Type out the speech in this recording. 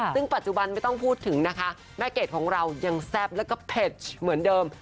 ซึ่งปัจจุบันไม่ต้องพูดถึงนะคะแม่เกดของเรายังแซ่บแล้วก็เผ็ดเหมือนเดิม